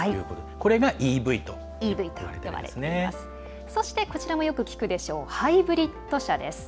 これがＥＶといわれてるんですね。